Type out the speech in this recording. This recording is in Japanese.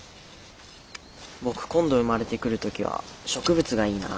僕今度生まれてくる時は植物がいいなあ。